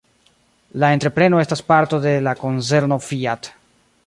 La entrepreno estas parto de la konzerno Fiat.